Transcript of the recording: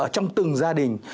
trong từng gia đình